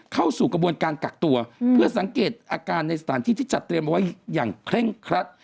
เข้าสู่กระบวนการกักตัวเพื่อสังเกตอาการในสถานที่ที่จัดเตรียมเอาไว้อย่างเคร่งครัด